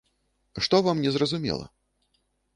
Што вам не зразумела?